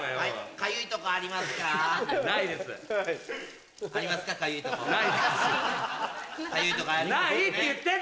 かゆいとこありますよね？